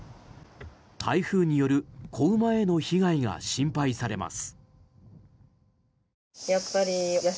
台風による仔馬への被害が心配されます。